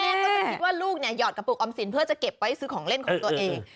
ก็จะคิดว่าลูกเนี่ยหยอดกระปุกออมสินเพื่อจะเก็บไว้ซื้อของเล่นของตัวเอง